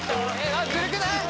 あっズルくない？